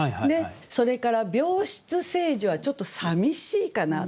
それから「病室」「聖樹」はちょっとさみしいかな。